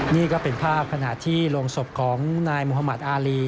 นี่ก็เป็นภาพขณะที่โรงศพของนายมุธมัติอารี